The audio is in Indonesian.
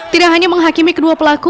tidak hanya menghakimi kedua pelaku